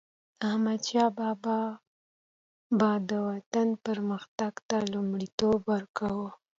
احمدشاه بابا به د وطن پرمختګ ته لومړیتوب ورکاوه.